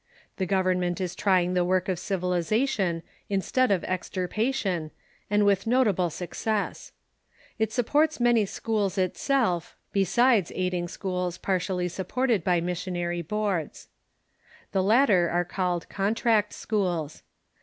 The government is trying the work of civilization instead of extirpation, and with notable success. It supports many schools itself, besides aiding schools partially supported b}' missionar}^ Contract Schools ^o^^'cl*? '^'l^e latter are called Contract Schools.